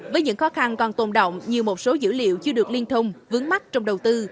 với những khó khăn còn tồn động như một số dữ liệu chưa được liên thông vướng mắt trong đầu tư